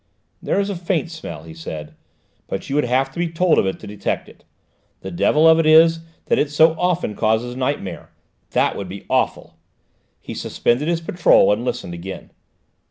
"There is a faint smell," he said, "but you would have to be told of it to detect it. The devil of it is that it so often causes nightmare; that would be awful!" He suspended his patrol and listened again.